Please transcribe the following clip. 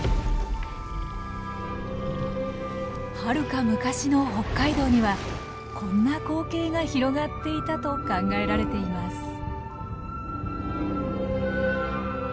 はるか昔の北海道にはこんな光景が広がっていたと考えられています。